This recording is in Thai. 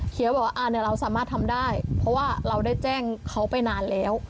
บอกว่าเราสามารถทำได้เพราะว่าเราได้แจ้งเขาไปนานแล้ว